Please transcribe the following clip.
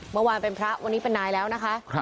เมื่อวานเป็นพระวันนี้เป็นนายแล้วนะคะ